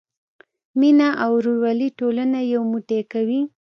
مینه او ورورولي ټولنه یو موټی کوي.